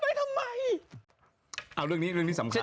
คุณผู้หญิงเอาเรื่องนี้เรื่องนี้สำคัญ